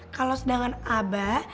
kalo sedangkan abah